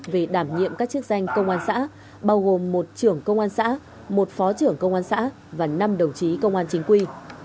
về đảm nhiệm các chức danh công an xã bao gồm một trưởng công an xã một phó trưởng công an xã và năm đồng chí công an chính quy